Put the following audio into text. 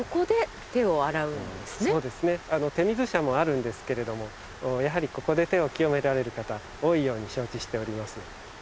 手水舎もあるんですけれどもやはりここで手を清められる方多いように承知しております。